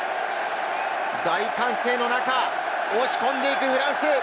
大歓声の中、押し込んでいくフランス。